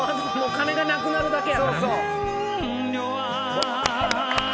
金がなくなるだけだから。